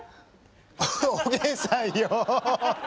おげんさんよ。